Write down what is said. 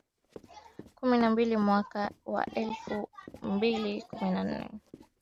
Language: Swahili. Kumi na mbili mwaka wa elfu mbili kumi na nne